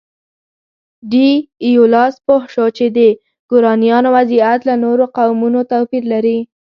ډي ایولاس پوه شو چې د ګورانیانو وضعیت له نورو قومونو توپیر لري.